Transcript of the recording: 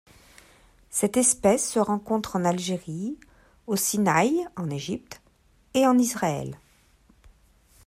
Cette espèce se rencontre en Algérie, au Sinaï en Égypte et en Israël.